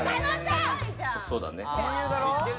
そうだね。